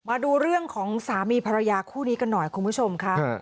มาดูเรื่องของสามีภรรยาคู่นี้กันหน่อยคุณผู้ชมค่ะ